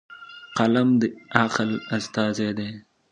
قلم د عقل استازی دی.